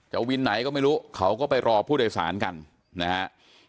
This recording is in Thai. วินไหนก็ไม่รู้เขาก็ไปรอผู้โดยสารกันนะฮะ